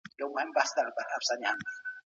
د ذمي حق ادا کول واجب دي.